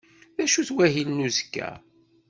D acu wahil n uzekka?